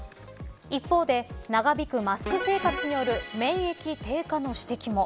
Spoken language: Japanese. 一方で、長引くマスク生活による免疫低下の指摘も。